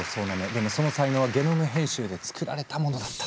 でもその才能はゲノム編集で作られたものだった。